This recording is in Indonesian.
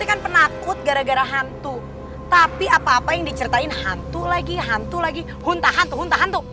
karena gara gara hantu tapi apa apa yang diceritain hantu lagi hantu lagi hantu hantu